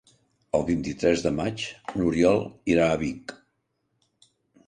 El vint-i-tres de maig n'Oriol irà a Vic.